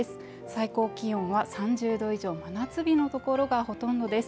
最高気温は３０度以上、真夏日のところがほとんどです。